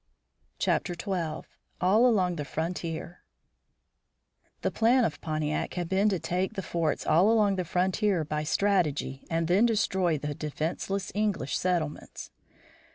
XII. ALL ALONG THE FRONTIER The plan of Pontiac had been to take the forts all along the frontier by strategy and then destroy the defenceless English settlements.